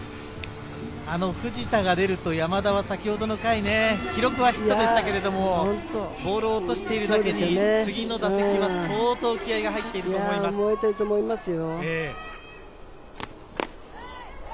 藤田が出ると山田は先ほどの回、記録はヒットでしたけど、ボールを落としているだけに次の打席は相当気合いが入っていると狙っていると思いますよ。